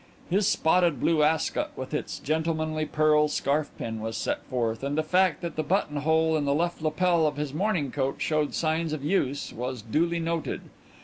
His spotted blue ascot, with its gentlemanly pearl scarfpin, was set forth, and the fact that the buttonhole in the left lapel of his morning coat showed signs of use was duly noted.